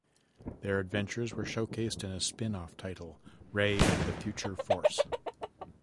Their adventures were showcased in a spin-off title, "Rai and the Future Force".